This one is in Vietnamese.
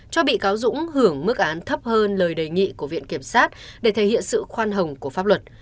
cho bị cáo dũng hưởng mức án thấp hơn lời đề nghị của viện kiểm sát để thể hiện sự khoan hồng của pháp luật